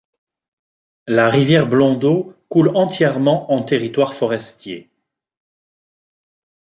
La rivière Blondeau coule entièrement en territoire forestier.